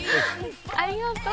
ありがとう。